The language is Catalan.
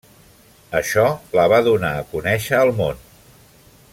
Això la va donar a conèixer al món.